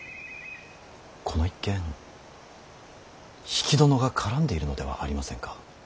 この一件比企殿が絡んでいるのではありませんか。